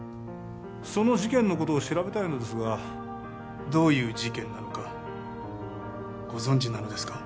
その事件のことを調べたいのですがどういう事件なのかご存じなのですか？